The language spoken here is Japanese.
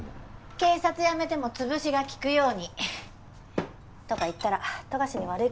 警察辞めても潰しが利くように。とか言ったら富樫に悪いか。